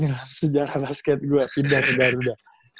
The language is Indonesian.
dalam sejarah basket gue pindah ke garuda